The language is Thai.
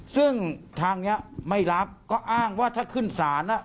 ซึ่งทางนี้ไม่รับก็อ้างว่าถ้าขึ้นศาล